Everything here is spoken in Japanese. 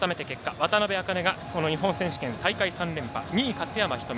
渡邊茜が日本選手権大会３連覇、２位、勝山眸美。